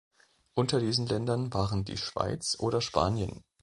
Unter diesen Ländern waren die Schweiz oder Spanien.